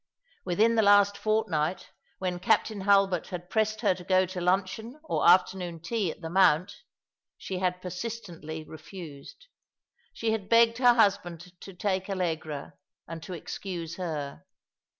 Within the last fortnight, when Captain Hulbert had pressed her to go to luncheon or afternoon tea at the Mount, she had persistently refused. She had begged her husband to take Allegra, and to excuse her.